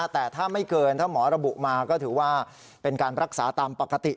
แต่ถ้าไม่เกินถ้าหมอระบุมาก็ถือว่าเป็นการรักษาตามปกติ